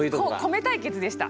米対決でした。